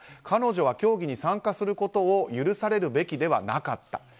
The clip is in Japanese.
彼女は競技に参加することを許されるべきではなかった。